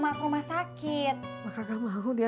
mak bang ocak udah di jalan mau ke sini